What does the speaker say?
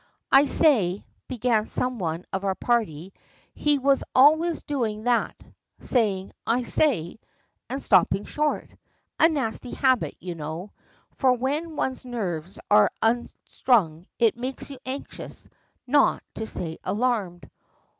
"I say," began some one of our party he was always doing that, saying "I say," and stopping short; a nasty habit, you know, for when one's nerves are unstrung it makes you anxious, not to say alarmed.